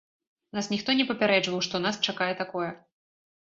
Нас ніхто не папярэджваў, што нас чакае такое.